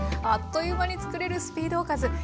あっという間に作れるスピードおかず。